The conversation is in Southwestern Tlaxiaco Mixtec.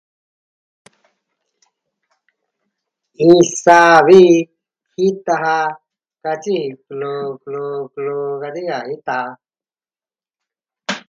Iin saa vi jita ja katyi klo klo klo ka di ka e taa.